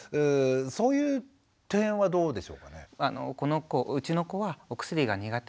そういう点はどうでしょうかね。